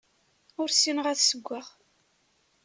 Ur ssineɣ ad ssewweɣ.